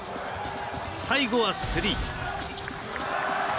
最後は、スリー。